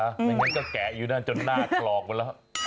ไม่งั้นก็แกะอยู่นั่นจนหน้ากรอกหมดแล้ว